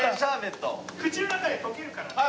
口の中で溶けるから。